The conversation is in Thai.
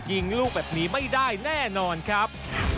ยิงลูกแบบนี้ไม่ได้แน่นอนครับ